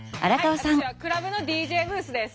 はい私はクラブのＤＪブースです。